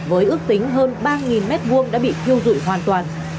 với ước tính hơn ba m hai đã bị thiêu dụi hoàn toàn